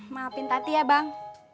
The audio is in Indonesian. maafin tati ya bang